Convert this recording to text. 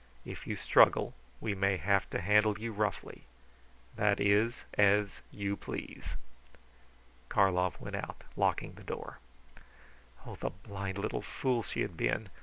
If you struggle we may have to handle you roughly. That is as you please." Karlov went out, locking the door. Oh, the blind little fool she had been!